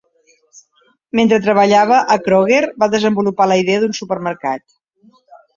Mentre treballava a Kroger, va desenvolupar la idea d'un supermercat.